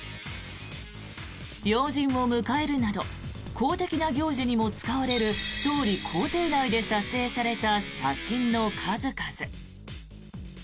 要人を迎えるなど公的な行事にも使われる総理公邸内で撮影された写真の数々。